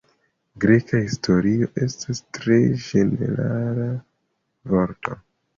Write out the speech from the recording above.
Greka historio estas tre ĝenerala vorto.